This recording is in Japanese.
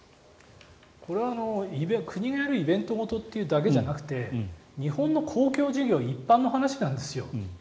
これは国がやるイベント事っていうだけじゃなくて日本の公共事業一般の話なんですよ。